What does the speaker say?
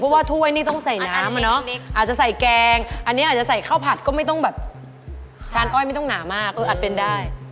เพราะว่าถ้วยนี่ต้องใส่น้ำอาจจะใส่แกงอันนี้อาจจะใส่ข้าวผัดก็ไม่ต้องแบบชานอ้อยไม่ต้องหนามากเอออาจเป็นได้